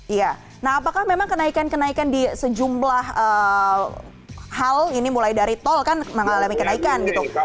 iya nah apakah memang kenaikan kenaikan di sejumlah hal ini mulai dari tol kan mengalami kenaikan gitu